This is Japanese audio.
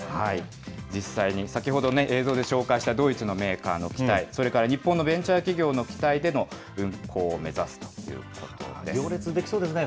実際に、先ほど映像で紹介したドイツのメーカーの機体、それから日本のベンチャー企業の機体での運航を目指すということです。